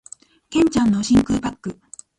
剣ちゃんの真空パック